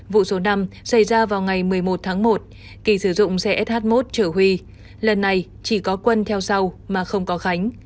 vụ số năm xảy ra vào ngày một mươi một tháng một kỳ sử dụng xe sh một chở huy lần này chỉ có quân theo sau mà không có khánh